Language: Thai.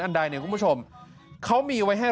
ใดเนี่ยคุณผู้ชมเขามีไว้ให้